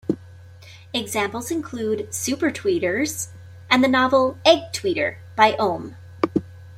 Examples include "super tweeters and the novel "egg tweeter" by Ohm.